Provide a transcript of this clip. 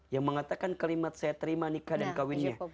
yang mengatakan kalimat saya terima nikah dan kawinnya